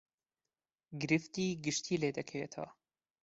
گرفتی گشتی لێ دەکەوێتەوە